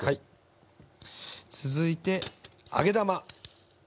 続いて揚げ玉。